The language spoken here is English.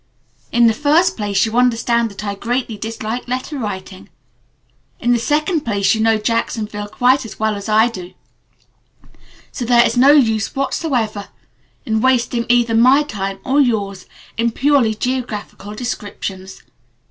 In the first place, you understand that I greatly dislike letter writing. In the second place you know Jacksonville quite as well as I do, so there is no use whatsoever in wasting either my time or yours in purely geographical descriptions.